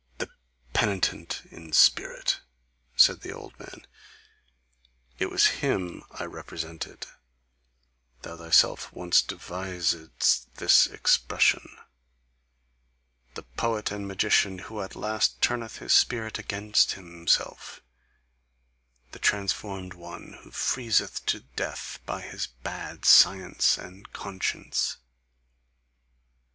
"THE PENITENT IN SPIRIT," said the old man, "it was him I represented; thou thyself once devisedst this expression The poet and magician who at last turneth his spirit against himself, the transformed one who freezeth to death by his bad science and conscience.